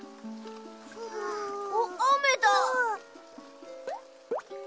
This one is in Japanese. おっあめだ。